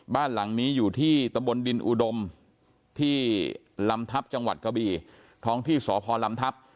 บ้านหลังนี้อยู่ที่ตำบลดินอุดมที่ลำทัพจังหวัดกะบีท้องที่สพลำทัพ